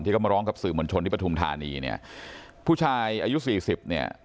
เขามาร้องกับสื่อมวลชนที่ปฐุมธานีเนี่ยผู้ชายอายุสี่สิบเนี่ย